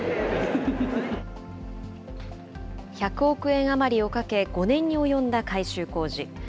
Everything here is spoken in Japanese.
１００億円余りをかけ、５年に及んだ改修工事。